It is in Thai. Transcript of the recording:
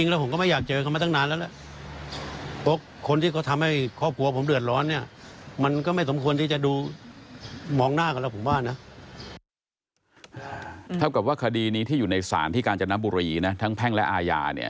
แล้วกับว่าคดีนี้ที่อยู่ในศาลที่การจำนับบุรีทั้งแพ่งและอายา